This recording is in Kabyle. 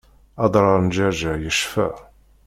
Adrar n Ǧerğer yecfa.